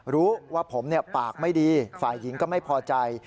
รู้ว่าผมปากไม่ดีฝ่ายหญิงก็ไม่พอใจ